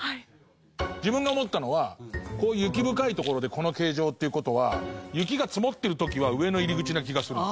自分が思ったのは雪深い所でこの形状っていう事は雪が積もってる時は上の入り口な気がする。